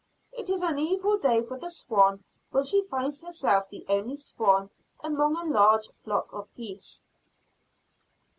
It is an evil day for the swan when she finds herself the only swan among a large flock of geese.